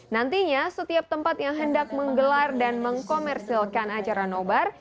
nantinya setiap tempat yang hendak menggelar dan mengkomersilkan acara nobar